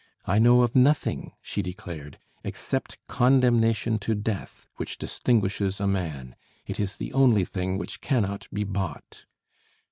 "I know of nothing," she declared, "except condemnation to death, which distinguishes a man: it is the only thing which cannot be bought."